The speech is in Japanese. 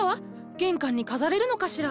玄関に飾れるのかしら？